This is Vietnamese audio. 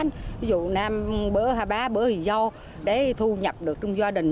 ví dụ năm bữa ba bữa thì do để thu nhập được trong gia đình